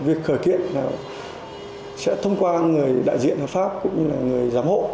việc khởi kiện là sẽ thông qua người đại diện hợp pháp cũng như là người giám hộ